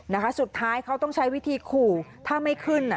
นะคะสุดท้ายเขาต้องใช้วิธีขู่ถ้าไม่ขึ้นอ่ะ